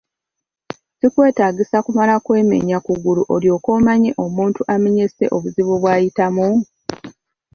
Kikwetaagisa kumala kwemenya kugulu olyoke omanye omuntu amenyese obuzibu bw'ayitamu?